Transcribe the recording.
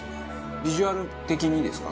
ビジュアル的にですか？